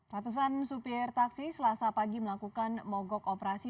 ratusan supir taksi selasa pagi melakukan mogok operasi